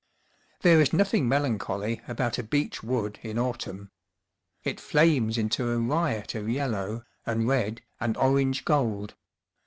There is nothing melancholy about a beech wood in autumn. It flames into a riot of yellow, and red, and orange gold.